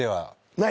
ない。